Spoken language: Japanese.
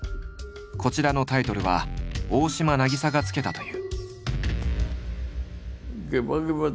こちらのタイトルは大島が付けたという。